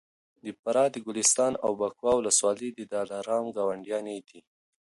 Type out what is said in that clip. د فراه د ګلستان او بکواه ولسوالۍ د دلارام ګاونډیانې دي